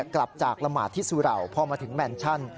กลับจากละหมาดที่สุเหล่าพอมาถึงแมนชั่น